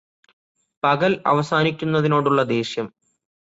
പകൽ അവസാനിക്കുന്നതിനോടുള്ള ദേഷ്യം